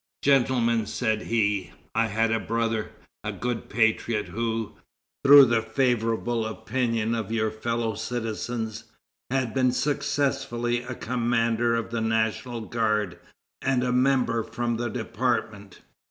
"Gentlemen," said he, "I had a brother, a good patriot, who, through the favorable opinion of your fellow citizens, had been successively a commander of the National Guard and a member from the Department.